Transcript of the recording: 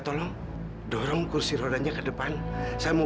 cocok gak daerah kamu